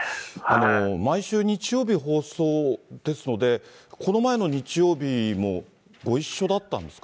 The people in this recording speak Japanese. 毎週日曜日放送ですので、この前の日曜日もご一緒だったんですか？